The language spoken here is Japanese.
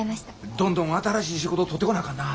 どんどん新しい仕事取ってこなあかんな。